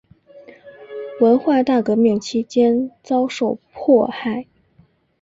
文化大革命期间遭受迫害。